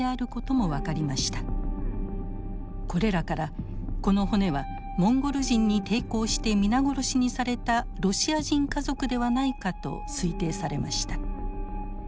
これらからこの骨はモンゴル人に抵抗して皆殺しにされたロシア人家族ではないかと推定されました。